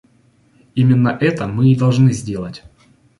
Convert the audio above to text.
Именно это мы и должны сделать.